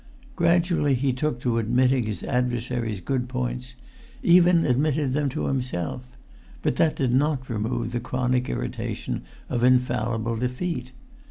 Gradually he took to admitting his adversary's good points; even admitted them to himself; but that did not remove the chronic irritation of infallible defeat.